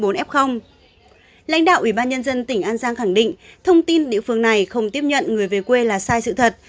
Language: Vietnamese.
lãnh đạo ủy ban nhân dân tỉnh an giang khẳng định thông tin địa phương này không tiếp nhận người về quê là sai sự thật